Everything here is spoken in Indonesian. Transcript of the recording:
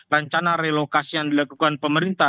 rencana relokasi yang dilakukan pemerintah